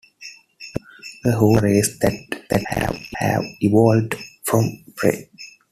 The Hoots are a race that have evolved from prey.